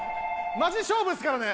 マジ勝負ですからね